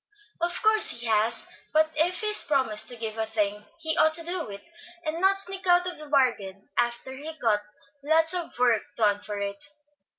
"Of course he has; but if he's promised to give a thing he ought to do it, and not sneak out of the bargain after he's got lots of work done to pay for it.